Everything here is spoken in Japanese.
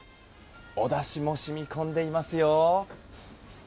おだしも染み込んでいますよ。